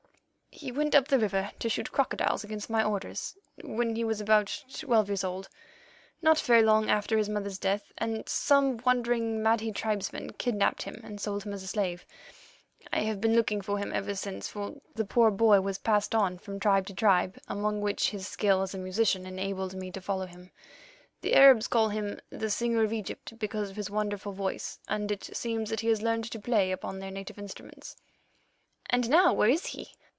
"He went up the river to shoot crocodiles against my orders, when he was about twelve years old—not very long after his mother's death, and some wandering Mahdi tribesmen kidnapped him and sold him as a slave. I have been looking for him ever since, for the poor boy was passed on from tribe to tribe, among which his skill as a musician enabled me to follow him. The Arabs call him the Singer of Egypt, because of his wonderful voice, and it seems that he has learned to play upon their native instruments." "And now where is he?"